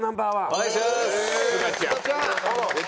お願いします。